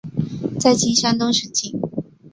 在今山东省境。